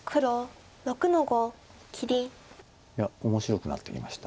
いや面白くなってきました。